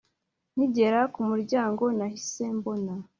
Nkigera kumuryango nahise mbona